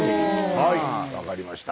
はい分かりました。